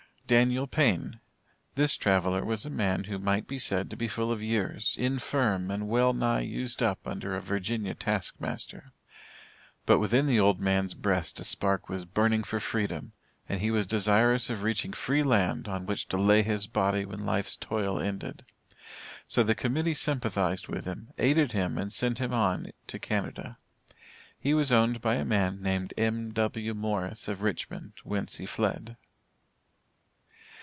Daniel Payne. This traveler was a man who might be said to be full of years, infirm, and well nigh used up under a Virginia task master. But within the old man's breast a spark was burning for freedom, and he was desirous of reaching free land, on which to lay his body when life's toil ended. So the Committee sympathized with him, aided him and sent him on to Canada. He was owned by a man named M.W. Morris, of Richmond, whence he fled.